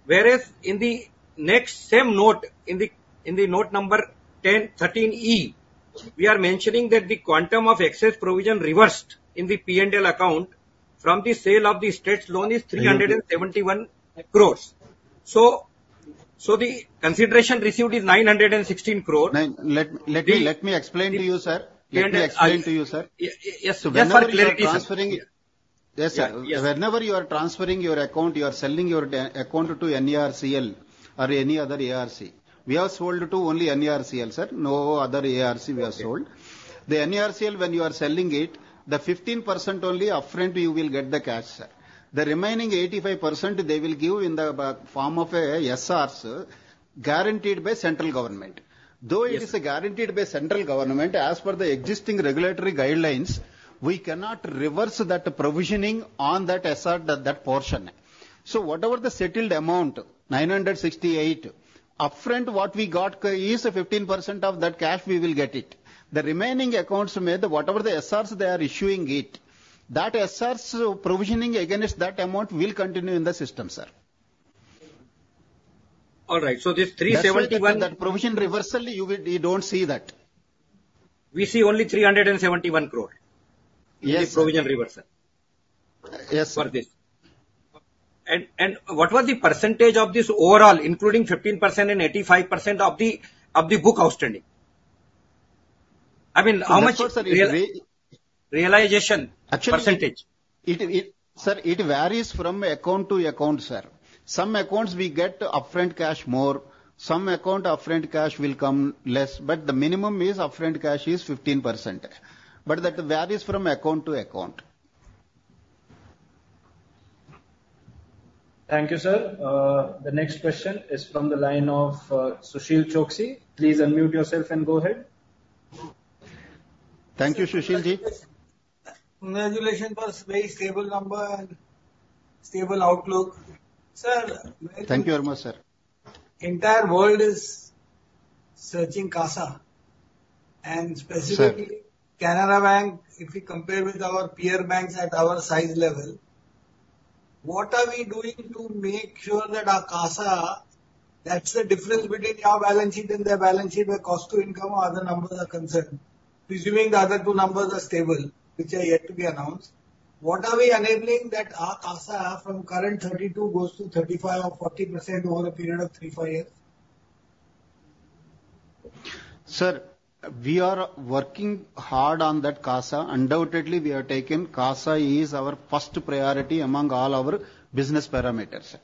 Whereas in the next same note in the note number 10, 13E, we are mentioning that the quantum of excess provision reversed in the P&L account from the sale of the stressed loan is 371 crores. So, so the consideration received is 916 crore. Let me explain to you, Sir. Let me explain to you, Sir. Yes, yes, yes, for clarity. Yes, Sir. Whenever you are transferring your account, you are selling your account to NARCL or any other ARC. We have sold to only NARCL, Sir. No other ARC we have sold. The NARCL when you are selling it, the 15% only upfront you will get the cash, Sir. The remaining 85% they will give in the form of SRs guaranteed by central government. Though it is guaranteed by central government as per the existing regulatory guidelines, we cannot reverse that provisioning on that SR, that portion. So whatever the settled amount, 968, upfront what we got is 15% of that cash we will get it. The remaining accounts may whatever the SRs they are issuing it, that SRs provisioning against that amount will continue in the system, Sir. All right. So this 371. That provision reversal, you will you don't see that. We see only 371 crore. Yes. Only provision reversal. Yes. For this. And, and what was the percentage of this overall including 15% and 85% of the book outstanding? I mean how much realization percentage? Actually, Sir, it varies from account to account, Sir. Some accounts we get upfront cash more. Some account upfront cash will come less. But the minimum is upfront cash is 15%. But that varies from account to account. Thank you, Sir. The next question is from the line of Sushil Choksey. Please unmute yourself and go ahead. Thank you, Sushil Ji. Congratulations for a very stable number and stable outlook. Sir. Thank you very much, Sir. Entire world is searching CASA and specifically. Sir. Canara Bank, if you compare with our peer banks at our size level, what are we doing to make sure that our CASA that's the difference between your balance sheet and their balance sheet where cost to income or other numbers are concerned? Presuming the other two numbers are stable which are yet to be announced, what are we enabling that our CASA from current 32% goes to 35% or 40% over a period of three, five years? Sir, we are working hard on that CASA. Undoubtedly, we have taken CASA as our first priority among all our business parameters, Sir.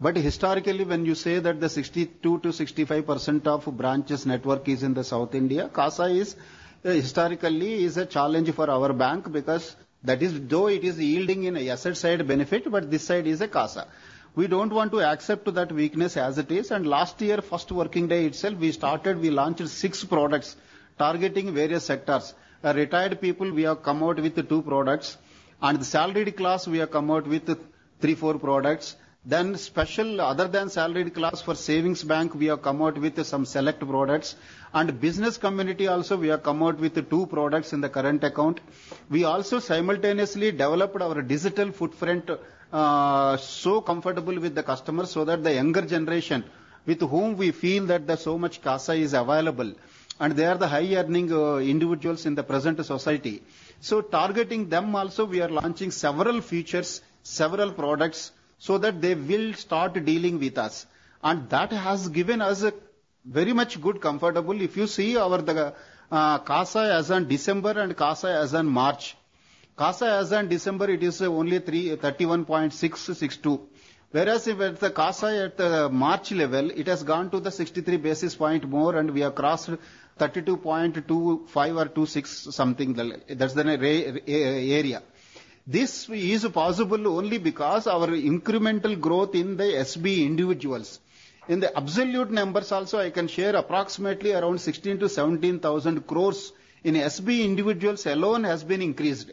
But historically, when you say that the 62%-65% of branches network is in the South India, CASA is historically a challenge for our bank because that is though it is yielding in asset side benefit, but this side is a CASA. We don't want to accept that weakness as it is. Last year first working day itself we started we launched six products targeting various sectors. Retired people we have come out with two products. And the salaried class we have come out with three, four products. Then special other than salaried class for savings bank we have come out with some select products. And business community also we have come out with two products in the current account. We also simultaneously developed our digital footprint, so comfortable with the customers so that the younger generation with whom we feel that there's so much CASA is available and they are the high earning individuals in the present society. So targeting them also we are launching several features, several products so that they will start dealing with us. And that has given us a very much good comfortable if you see our CASA as on December and CASA as on March. CASA as on December it is only 31.662. Whereas if at the CASA at the March level it has gone to the 63 basis points more and we have crossed 32.25 or 26 something that's the area. This is possible only because our incremental growth in the SB individuals. In the absolute numbers also I can share approximately around 16,000 crores-17,000 crores in SB individuals alone has been increased.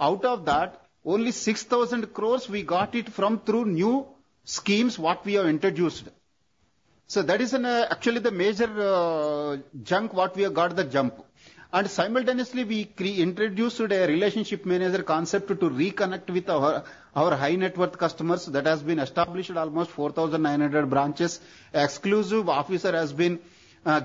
Out of that only 6,000 crores we got it from through new schemes what we have introduced. So that is actually the major chunk what we have got the jump. And simultaneously we introduced a relationship manager concept to reconnect with our, our high net worth customers that has been established almost 4,900 branches. Exclusive officer has been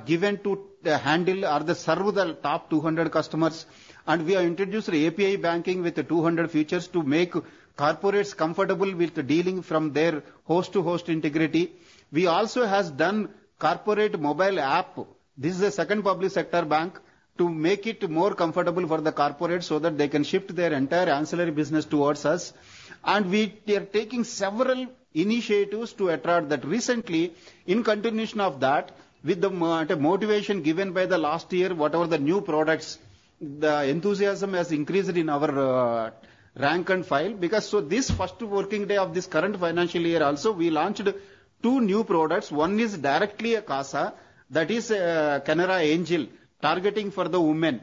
given to handle or to serve the top 200 customers. And we have introduced API banking with 200 features to make corporates comfortable with dealing from their host-to-host integration. We also have done corporate mobile app. This is the second public sector bank to make it more comfortable for the corporates so that they can shift their entire ancillary business towards us. And we are taking several initiatives to attract that. Recently, in continuation of that, with the motivation given by the last year, whatever the new products, the enthusiasm has increased in our rank and file. Because so this first working day of this current financial year also we launched two new products. One is directly a CASA that is Canara Angel targeting for the women.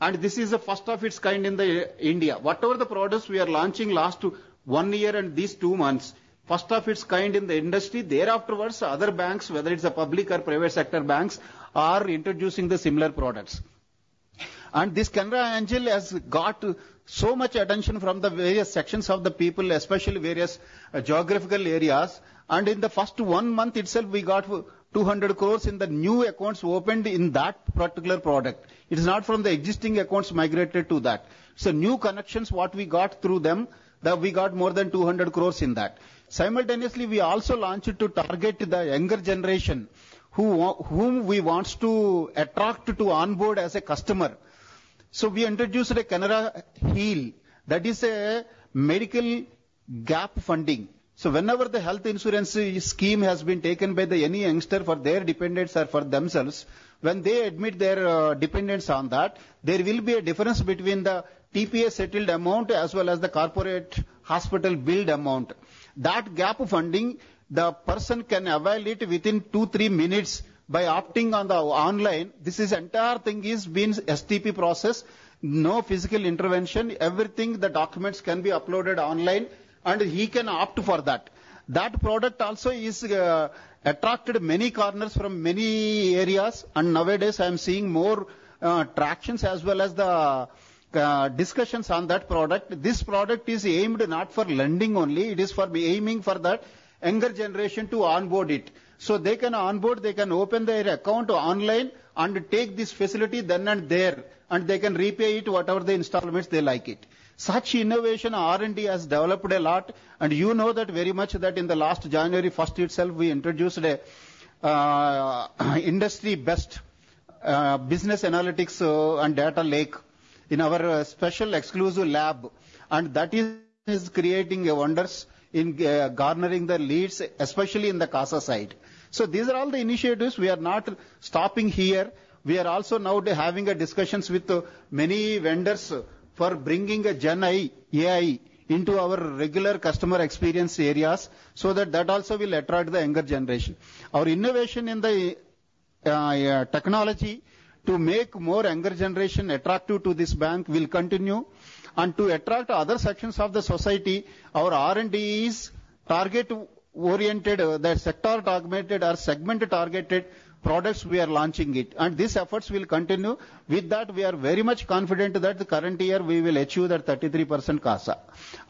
And this is the first of its kind in India. Whatever the products we are launching last one year and these two months, first of its kind in the industry thereafterwards other banks whether it's a public or private sector banks are introducing the similar products. And this Canara Angel has got so much attention from the various sections of the people especially various geographical areas. In the first 1 month itself we got 200 crores in the new accounts opened in that particular product. It is not from the existing accounts migrated to that. So new connections what we got through them that we got more than 200 crores in that. Simultaneously we also launched to target the younger generation who whom we want to attract to onboard as a customer. So we introduced a Canara Heal that is a medical gap funding. So whenever the health insurance scheme has been taken by the any youngster for their dependents or for themselves, when they admit their dependents on that there will be a difference between the TPA settled amount as well as the corporate hospital billed amount. That gap funding the person can avail it within two, three minutes by opting on the online. This is entire thing is been STP process. No physical intervention. Everything the documents can be uploaded online and he can opt for that. That product also is attracted many corners from many areas. And nowadays I am seeing more attractions as well as the discussions on that product. This product is aimed not for lending only. It is for aiming for that younger generation to onboard it. So they can onboard they can open their account online and take this facility then and there and they can repay it whatever the installments they like it. Such innovation R&D has developed a lot and you know that very much that in the last January first itself we introduced an industry-best business analytics and data lake in our special exclusive lab. And that is creating wonders in garnering the leads especially in the CASA side. So these are all the initiatives we are not stopping here. We are also now having discussions with many vendors for bringing a Gen AI into our regular customer experience areas so that that also will attract the younger generation. Our innovation in the technology to make more younger generation attractive to this bank will continue and to attract other sections of the society our R&D is target oriented that sector documented or segment targeted products we are launching it. These efforts will continue. With that we are very much confident that the current year we will achieve that 33% CASA.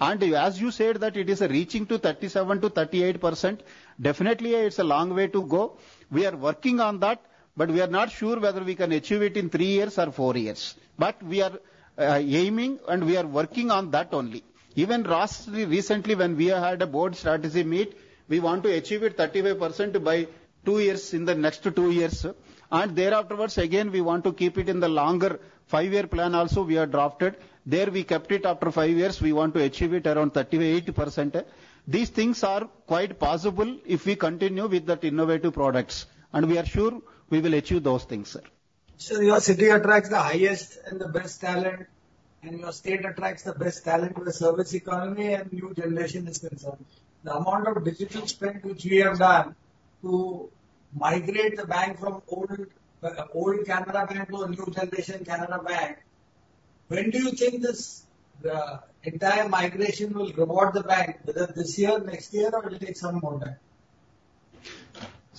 As you said that it is reaching to 37%-38% definitely it's a long way to go. We are working on that but we are not sure whether we can achieve it in three years or four years. But we are aiming and we are working on that only. Even last recently, when we had a board strategy meet, we want to achieve it 35% by two years in the next two years. And thereafterwards, again we want to keep it in the longer five-year plan also we have drafted. There we kept it after five years we want to achieve it around 38%. These things are quite possible if we continue with that innovative products. And we are sure we will achieve those things, Sir. So, your city attracts the highest and the best talent, and your state attracts the best talent with service economy, and new generation is concerned. The amount of digital spend which we have done to migrate the bank from old, old Canara Bank to a new generation Canara Bank, when do you think this, the entire migration, will reward the bank, whether this year, next year, or it will take some more time?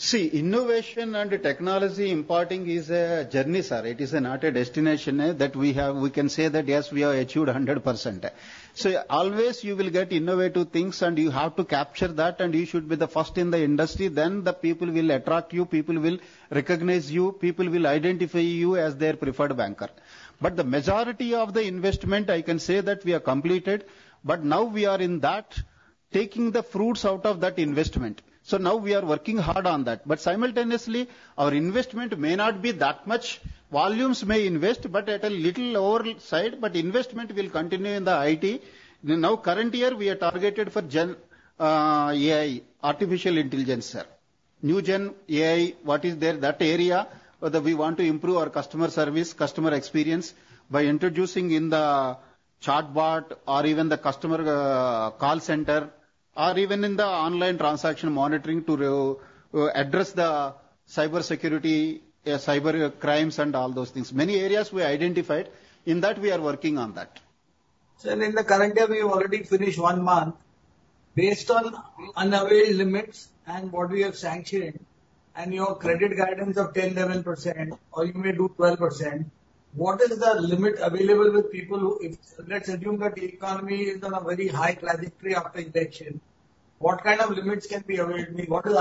See, innovation and technology importing is a journey, Sir. It is not a destination that we can say that yes, we have achieved 100%. So always you will get innovative things and you have to capture that and you should be the first in the industry, then the people will attract you, people will recognize you, people will identify you as their preferred banker. But the majority of the investment I can say that we have completed but now we are in that taking the fruits out of that investment. So now we are working hard on that. But simultaneously our investment may not be that much volumes may invest but at a little over side but investment will continue in the IT. Now current year we are targeted for Gen AI, artificial intelligence, Sir. New Gen AI, what is there in that area, whether we want to improve our customer service, customer experience by introducing in the chatbot or even the customer call center or even in the online transaction monitoring to address the cyber security, cyber crimes and all those things. Many areas we identified in that, we are working on that. Sir, in the current year we have already finished one month. Based on unavailed limits and what we have sanctioned and your credit guidance of 10%-11% or you may do 12%, what is the limit available with people who if let's assume that the economy is on a very high trajectory after election, what kind of limits can be availed? What is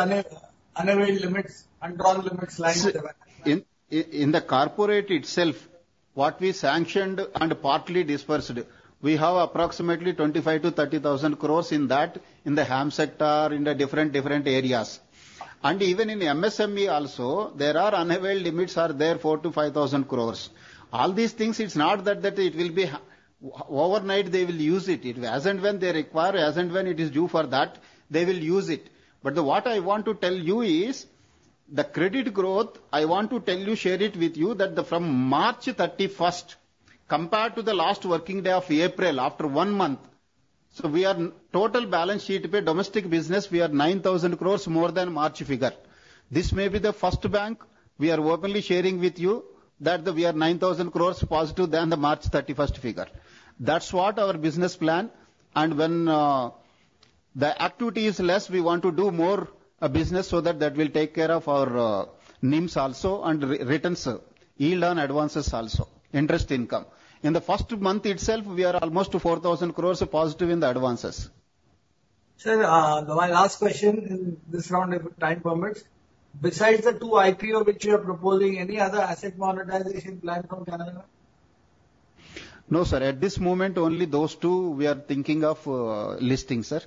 unavailed limits, undrawn limits lying in the bank? In the corporate itself what we sanctioned and partly disbursed we have approximately 25,000 crores-30,000 crores in that in the HAM sector in the different areas. And even in MSME also there are unavailed limits are there 4,000 crores-5,000 crores. All these things it's not that that it will be overnight they will use it. It hasn't when they require hasn't when it is due for that they will use it. But the what I want to tell you is the credit growth I want to tell you share it with you that the from March 31st compared to the last working day of April after one month so we are total balance sheet per domestic business we are 9,000 crore more than March figure. This may be the first bank we are openly sharing with you that we are 9,000 crore positive than the March 31st figure. That's what our business plan and when, the activity is less we want to do more business so that that will take care of our, NIMs also and returns, yield on advances also, interest income. In the first month itself we are almost 4,000 crore positive in the advances. Sir, my last question in this round if time permits. Besides the two IPO which you are proposing any other asset monetization plan from Canara? No, Sir. At this moment only those two we are thinking of listing, Sir.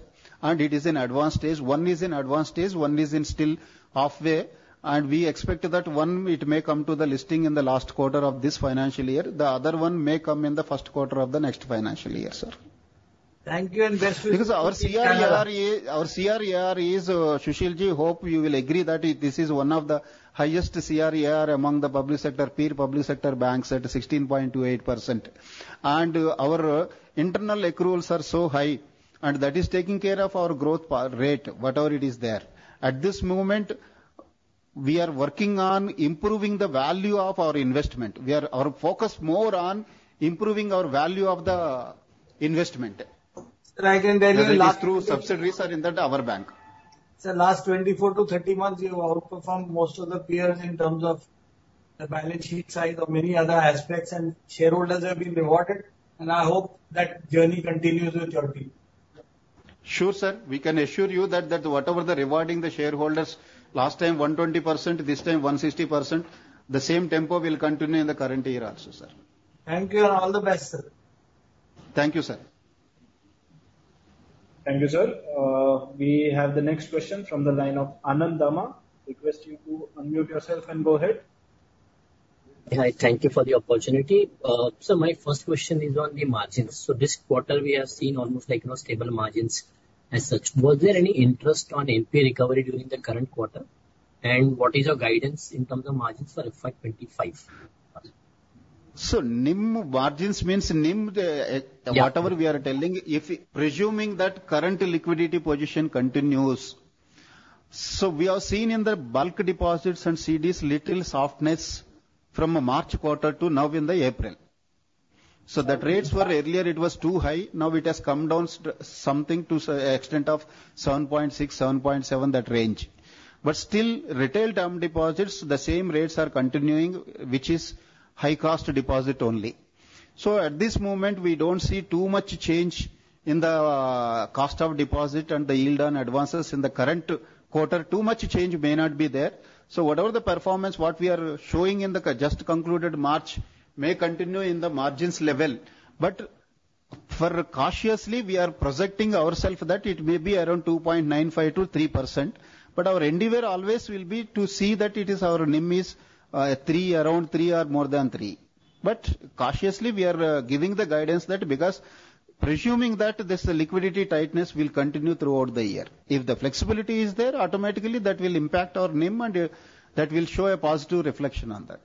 It is in advanced stage. One is in advanced stage, one is in still halfway and we expect that one it may come to the listing in the last quarter of this financial year. The other one may come in the first quarter of the next financial year, Sir. Thank you and best wishes. Because our CRAR is, Sushil Ji, hope you will agree that this is one of the highest CRAR among the public sector peer public sector banks at 16.28%. Our internal accruals are so high and that is taking care of our growth rate whatever it is there. At this moment we are working on improving the value of our investment. We are our focus more on improving our value of the investment. Sir, I can tell you last. Through subsidiaries are in that our bank. Sir, last 24-30 months you outperformed most of the peers in terms of the balance sheet size or many other aspects and shareholders have been rewarded and I hope that journey continues with your team. Sure, Sir. We can assure you that whatever the rewarding the shareholders last time 120%, this time 160%, the same tempo will continue in the current year also, Sir. Thank you and all the best, Sir. Thank you, Sir. Thank you, Sir. We have the next question from the line of Anand Dama. Request you to unmute yourself and go ahead. Hi, thank you for the opportunity. So my first question is on the margins. So this quarter we have seen almost like no stable margins as such. Was there any interest on NPA recovery during the current quarter and what is your guidance in terms of margins for FY 2025? So, NIM margins means NIM whatever we are telling if presuming that current liquidity position continues. So, we have seen in the bulk deposits and CDs little softness from March quarter to now in April. So, that rates were earlier it was too high now it has come down something to the extent of 7.6-7.7, that range. But still retail term deposits the same rates are continuing which is high cost deposit only. So, at this moment we don't see too much change in the cost of deposit and the yield on advances in the current quarter too much change may not be there. So, whatever the performance what we are showing in the just concluded March may continue in the margins level. But cautiously we are projecting ourselves that it may be around 2.95%-3%. Our endeavor always will be to see that it is our NIM around three or more than three. Cautiously we are giving the guidance that because presuming that this liquidity tightness will continue throughout the year. If the flexibility is there automatically that will impact our NIM and that will show a positive reflection on that.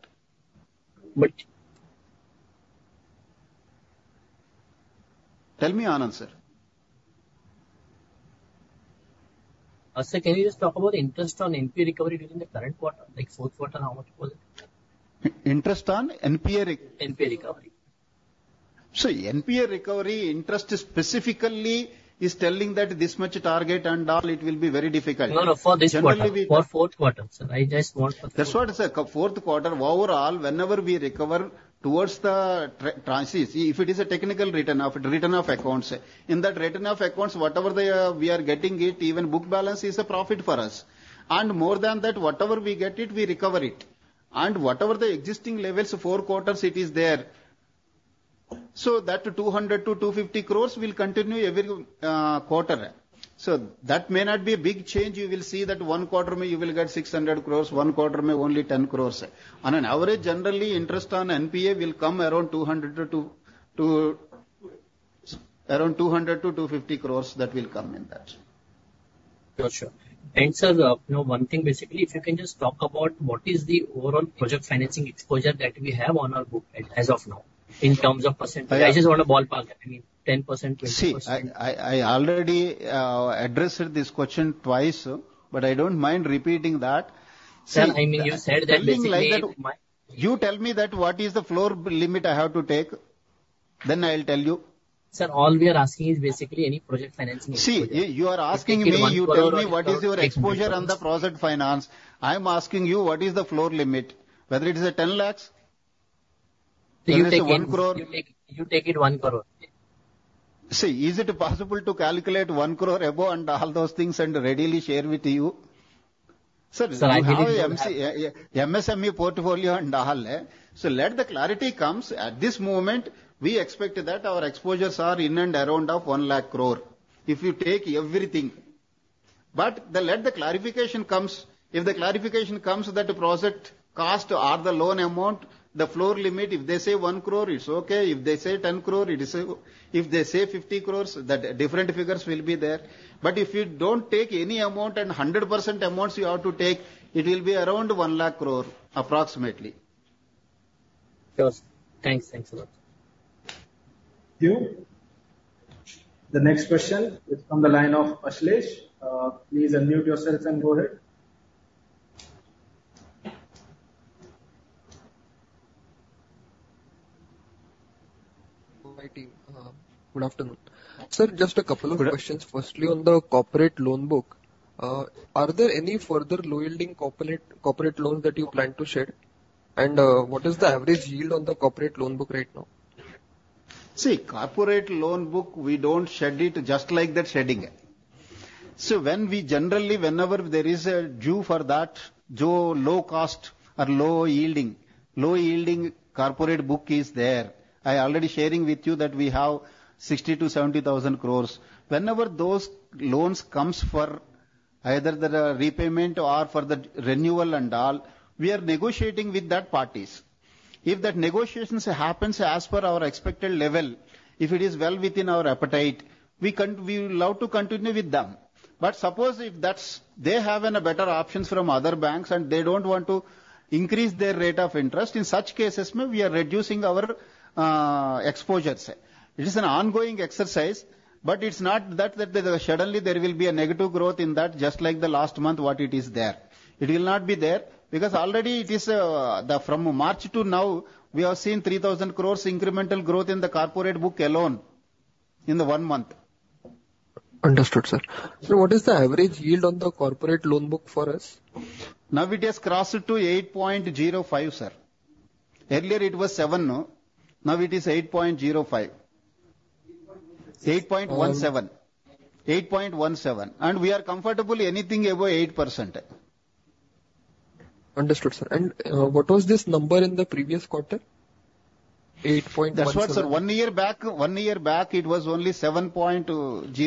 But. Tell me, Anand, Sir. Sir, can you just talk about interest on NPA recovery during the current quarter like fourth quarter how much was it? Interest on NPA recovery. NPA recovery. NPA recovery interest specifically is telling that this much target and all. It will be very difficult. No, no, for this quarter. Generally we. For fourth quarter, Sir. I just want to. That's what, Sir. Fourth quarter overall, whenever we recover towards the transit, if it is a technical written-off of accounts. In that written-off accounts, whatever we are getting, even book balance is a profit for us. And more than that, whatever we get, we recover it. And whatever the existing levels, four quarters, it is there. So that 200 crore-250 crore will continue every quarter. So that may not be a big change. You will see that one quarter may you will get 600 crore, one quarter may only 10 crore. On an average, generally interest on NPA will come around 200 to 250 crores. That will come in that. Gotcha. Thanks, Sir. You know one thing basically if you can just talk about what is the overall project financing exposure that we have on our book as of now in terms of percentage. I just want to ballpark that. I mean 10%, 20%. See, I already addressed this question twice but I don't mind repeating that. Sir, I mean you said that basically you might. You tell me that what is the floor limit I have to take, then I will tell you. Sir, all we are asking is basically any project financing exposure. See, you are asking me you tell me what is your exposure on the project finance. I am asking you what is the floor limit whether it is a 10 lakh or it is a 1 crore. You take it 1 crore. See, is it possible to calculate 1 crore above and all those things and readily share with you? Sir, we have a MC MSME portfolio and all. So let the clarity comes; at this moment we expect that our exposures are in and around 100,000 crore if you take everything. But let the clarification comes; if the clarification comes that project cost or the loan amount, the floor limit, if they say 1 crore it's okay. If they say 10 crore it is; if they say 50 crore that different figures will be there. But if you don't take any amount and 100% amounts you have to take it will be around 100,000 crore approximately. Sure, Sir. Thanks. Thanks a lot. The next question is from the line of Ashlesh. Please unmute yourself and go ahead. Hi, team. Good afternoon. Sir, just a couple of questions. Firstly, on the corporate loan book, are there any further low-yielding corporate loans that you plan to shed, and what is the average yield on the corporate loan book right now? See, corporate loan book we don't shed it just like that shedding. So when we generally whenever there is a due for that which low cost and low yielding low yielding corporate book is there I already sharing with you that we have 60,000 crore-70,000 crore. Whenever those loans comes for either the repayment or for the renewal and all we are negotiating with that parties. If that negotiations happens as per our expected level if it is well within our appetite we can we would love to continue with them. But suppose if that's they have better options from other banks and they don't want to increase their rate of interest in such cases maybe we are reducing our exposures. It is an ongoing exercise but it's not that that suddenly there will be a negative growth in that just like the last month what it is there. It will not be there because already it is the from March to now we have seen 3,000 crore incremental growth in the corporate book alone in the one month. Understood, Sir. Sir, what is the average yield on the corporate loan book for us? Now it has crossed to 8.05, Sir. Earlier it was 7, now it is 8.05. 8.17. 8.17. We are comfortable anything above 8%. Understood, Sir. What was this number in the previous quarter? 8.17. That's what, Sir. One year back it was only 7.02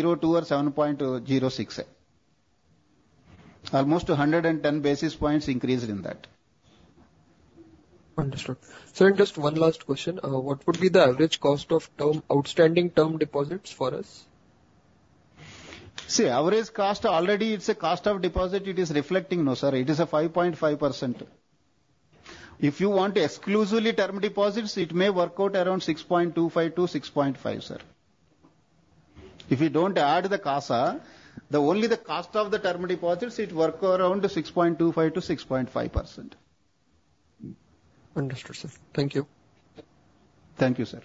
or 7.06. Almost 110 basis points increased in that. Understood. Sir, just one last question. What would be the average cost of term outstanding term deposits for us? See, average cost already it's a cost of deposit it is reflecting now, Sir. It is a 5.5%. If you want exclusively term deposits it may work out around 6.25%-6.5%, Sir. If you don't add the CASA the only the cost of the term deposits it work around 6.25%-6.5%. Understood, Sir. Thank you. Thank you, Sir.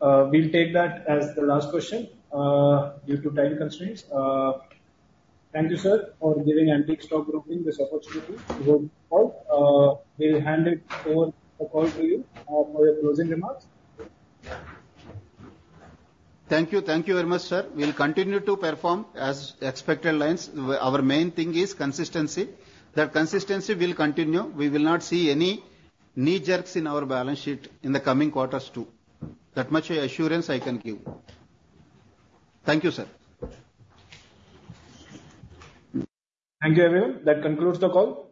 We'll take that as the last question, due to time constraints. Thank you, Sir, for giving Antique Stock Broking this opportunity to host. We'll hand over the call to you, for your closing remarks. Thank you. Thank you very much, Sir. We'll continue to perform as expected lines. Our main thing is consistency. That consistency will continue. We will not see any knee-jerks in our balance sheet in the coming quarters too. That much assurance I can give. Thank you, Sir. Thank you, everyone. That concludes the call.